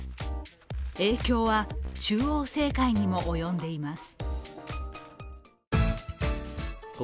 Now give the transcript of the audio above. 影響は中央政界にも及んでいます。